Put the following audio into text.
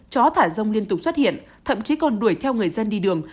chó thả rông liên tục xuất hiện thậm chí còn đuổi theo người dân đi đường